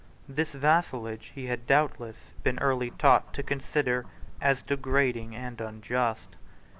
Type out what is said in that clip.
This vassalage he had doubtless been early taught to consider as degrading and unjust.